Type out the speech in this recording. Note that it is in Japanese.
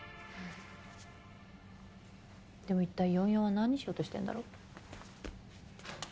でも一体４４は何しようとしてるんだろう？